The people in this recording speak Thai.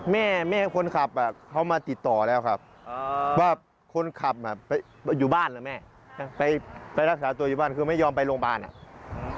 แม่แม่คนขับเขามาติดต่อแล้วครับว่าคนขับอยู่บ้านเหรอแม่ไปรักษาตัวอยู่บ้านคือไม่ยอมไปโรงพยาบาลอ่ะ